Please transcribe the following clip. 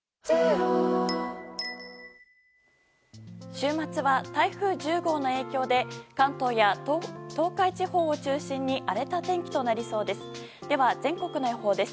週末は台風１０号の影響で関東や東海地方を中心に荒れた天気となりそうです。